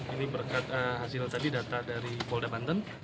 ini berkat hasil tadi data dari polda banten